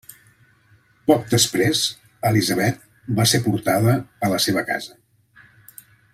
Poc després, Elizabeth va ser portada a la seva casa.